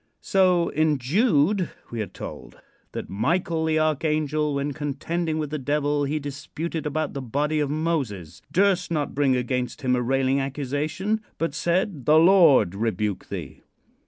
So in Jude we are told "that Michael, the archangel, when contending with the devil he disputed about the body of Moses, durst not bring against him a railing accusation, but said, 'The Lord rebuke thee.'"